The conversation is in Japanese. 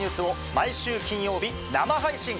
毎週金曜日生配信